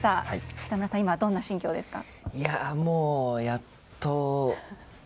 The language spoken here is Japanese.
北村さん、今どんな心境ですか。